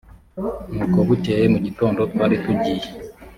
nuko bukeye mu gitondo twaritugiye